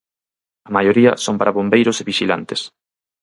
A maioría son para bombeiros e vixilantes.